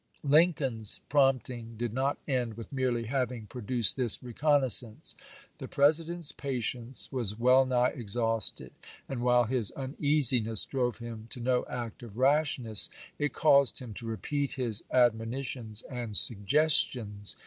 Lincoln's prompting did not end with merely having pro duced this reconnaissance. The President's patience was well nigh exhausted ; and while his uneasiness drove him to no act of rashness, it caused him to repeat his admonitions and suggestions.